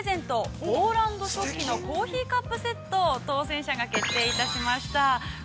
「ポーランド食器のコーヒーカップセット」の当選者が決定いたしました！